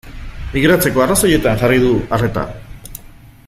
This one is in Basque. Migratzeko arrazoietan jarri du arreta.